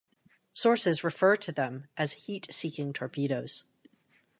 Sources refer to them as heat-seeking torpedoes.